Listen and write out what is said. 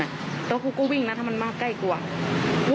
แล้วครูก็วิ่งนะถ้ามันมากใกล้กลัว